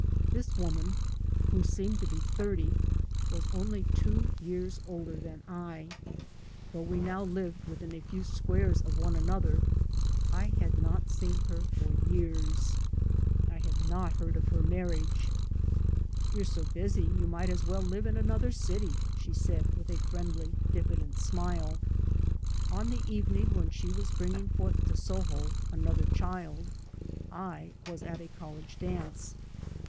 This woman who seemed to be thirty was only two years older than I. Though we now lived within a few squares of one another I had not seen her for years. I had not heard of her 3 by Google MY MOTHER AND I marriage. " You're so busy you might as well live in another city," she said with a friendly diffident smile. On the evening when she was bringing forth to'Soho another child I was at a college dance.